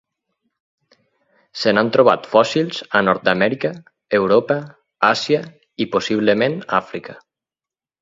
Se n'han trobat fòssils a Nord-amèrica, Europa, Àsia i possiblement Àfrica.